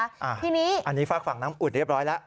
อันนี้ฟักฝั่งน้ำอุดเรียบร้อยแล้ว